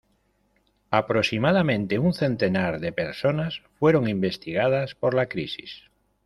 Aproximadamente un centenar de personas fueron investigadas por la crisis.